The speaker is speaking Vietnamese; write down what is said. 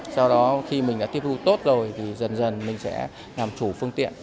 sau đó khi mình đã tiếp thu tốt rồi thì dần dần mình sẽ làm chủ phương tiện